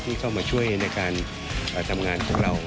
ที่เข้ามาช่วยในการทำงานของเรา